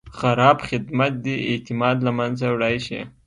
خراب خدمت د اعتماد له منځه وړی شي.